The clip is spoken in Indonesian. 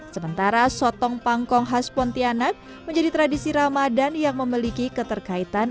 sementara sotong pangkong khas pontianak menjadi tradisi ramadan yang memiliki keterkaitan